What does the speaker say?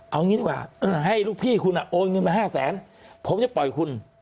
เอางี้ดีกว่าให้ลูกพี่คุณโอนเงินมา๕แสนผมจะปล่อยคุณ